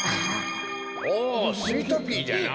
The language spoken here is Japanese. おスイートピーじゃな。